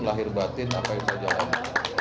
lahir batin apa yang saya jalani